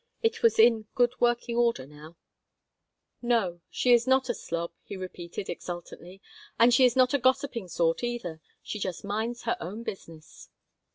It was in good working order now "No, she is not a slob," he repeated, exultantly. "And she is not a gossiping sort, either. She just minds her own business."